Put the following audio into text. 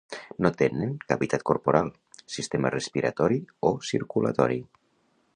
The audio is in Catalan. No tenen cavitat corporal, sistema respiratori o circulatori.